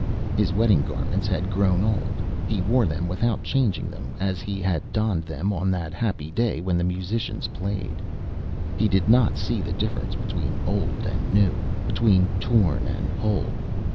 His wedding garments had grown old. He wore them without changing them, as he had donned them on that happy day when the musicians played. He did not see the difference between old and new, between torn and whole.